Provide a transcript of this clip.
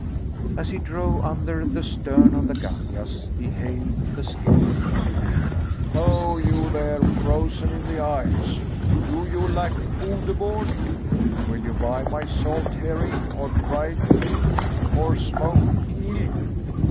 As he drove under the stern of the gallias he hailed the skipper: "Ho, you there, frozen in the ice, do you lack food aboard? Will you buy my salt herring or dried ling or smoked eel?"